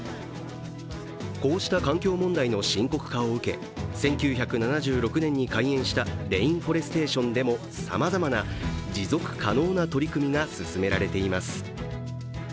こうした環境問題の深刻化を受け１９７６年に開園したレインフォレステーションでもさまざまな持続可能な取り組みが進められています。